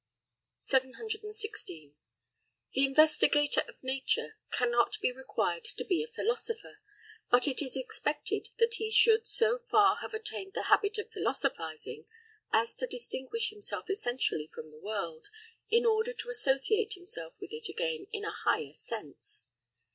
716. The investigator of nature cannot be required to be a philosopher, but it is expected that he should so far have attained the habit of philosophizing, as to distinguish himself essentially from the world, in order to associate himself with it again in a higher sense.